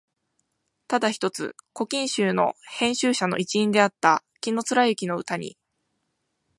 ただ一つ「古今集」の編集者の一員であった紀貫之の歌に、